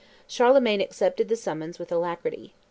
Charlemagne accepted the summons with alacrity.